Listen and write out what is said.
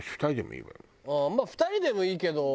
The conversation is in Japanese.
まあ２人でもいいけど。